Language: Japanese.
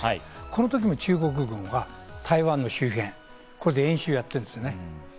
この時も中国軍は台湾の周辺、ここで演習をやってるんですね。